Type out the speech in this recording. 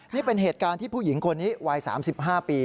นี่เป็นเหตุการณ์ที่ผู้หญิงคนนี้วัย๓๕ปี